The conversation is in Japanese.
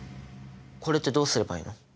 これってどうすればいいの？